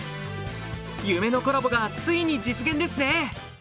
夢のコラボがついに実現ですね。